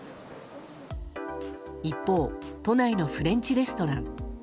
一方、都内のフレンチレストラン。